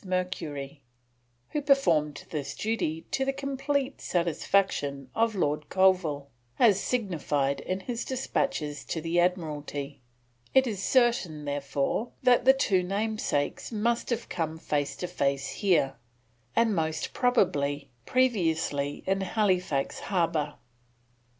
Mercury, who performed this duty to the complete satisfaction of Lord Colville as signified in his despatches to the Admiralty. It is certain, therefore, that the two namesakes must have come face to face here, and most probably previously in Halifax Harbour.